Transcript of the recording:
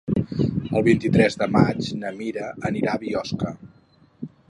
El vint-i-tres de maig na Mira anirà a Biosca.